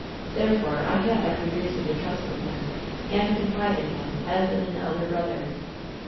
Therefore, I had every reason to trust in him and con fide in him as in an elder brother.